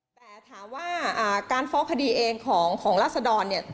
แต่ถามว่าการฟ้องคดีเองของราศดรเนี่ย